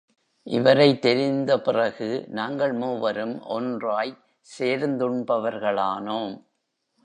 இவரைத் தெரிந்த பிறகு, நாங்கள் மூவரும் ஒன்றாய்ச் சேர்ந்துண் பவர்களானோம்.